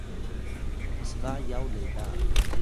psba yaw lela